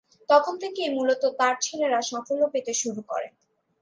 তখন থেকেই মূলত তার ছেলেরা সাফল্য পেতে শুরু করে।